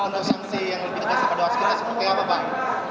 untuk sanksi yang lebih tegar kepada waskita seperti apa pak